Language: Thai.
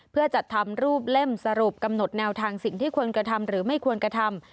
เพื่อจัดทำรูปเล่มสรุปกำหนดแนวทางสิ่งที่ควรกระทำหรือไม่ควรกระทำ